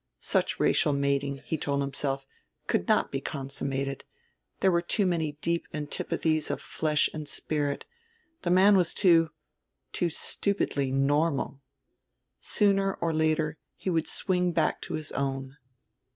Such racial mating, he told himself, could not be consummated; there were too many deep antipathies of flesh and spirit; the man was too too stupidly normal. Sooner or later he would swing back to his own.